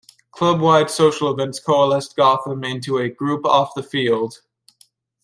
Club-wide social events coalesced Gotham into a group off the field.